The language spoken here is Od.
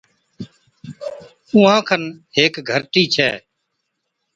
اُونهان کن هيڪ گھَرٽِي ڇَي،